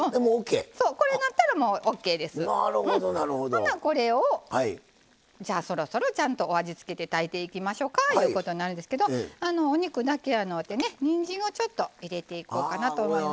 ほなこれをじゃあそろそろちゃんとお味付けて炊いていきましょかいうことになるんですけどお肉だけやのうてねにんじんをちょっと入れていこうかなと思います。